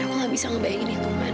saya tidak bisa membayangkannya man